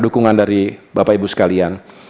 dukungan dari bapak ibu sekalian